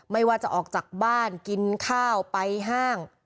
ไม่ว่าจะออกจากบ้านกินข้าวไปห้าง